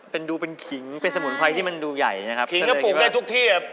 เป็นดูเป็นขิงเป็นสมุนไพรที่มันดูใหญ่นะครับขิงก็ปลูกได้ทุกที่ครับ